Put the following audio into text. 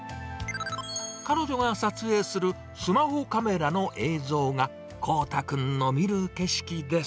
彼女が撮影するスマホカメラの映像が、航大君の見る景色です。